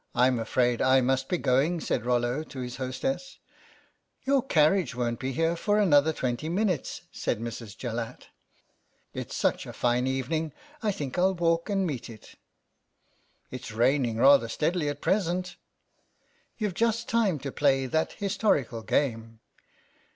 Fm afraid I must be going," said Rollo to his hostess. 92 THE STRATEGIST "Your carriage won't be here for another twenty minutes," said Mrs. Jallatt. " It's such a fine evening I think Til walk and meet it." " It's raining rather steadily at present. You've just time to play that historical game."